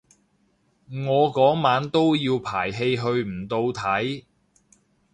我嗰晚都要排戲去唔到睇